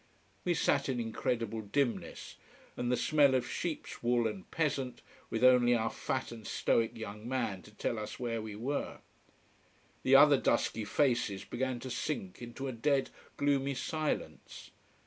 We sat in incredible dimness, and the smell of sheeps wool and peasant, with only our fat and stoic young man to tell us where we were. The other dusky faces began to sink into a dead, gloomy silence.